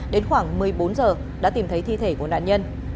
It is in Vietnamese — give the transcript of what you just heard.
đến khoảng một mươi bốn giờ đã tìm thấy thi thể của nạn nhân